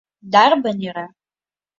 Дарбан иара?